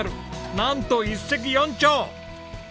なんと一石四鳥！